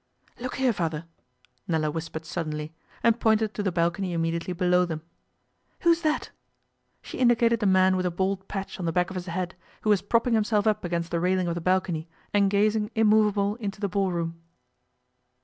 'Look here, Father,' Nella whispered suddenly, and pointed to the balcony immediately below them. 'Who's that?' She indicated a man with a bald patch on the back of his head, who was propping himself up against the railing of the balcony and gazing immovable into the ball room.